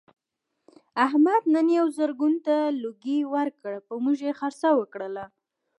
احمد نن یوه زرګون ته لوګی ورکړ په موږ یې خرڅه وکړله.